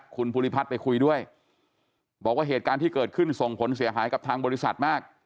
คุณภูริพัฒน์ไปคุยด้วยบอกว่าเหตุการณ์ที่เกิดขึ้นส่งผลเสียหายกับทางบริษัทมาก